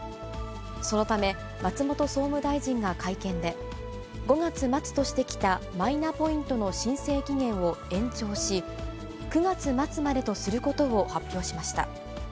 そのため、松本総務大臣が会見で、５月末としてきたマイナポイントの申請期限を延長し、９月末までとすることを発表しました。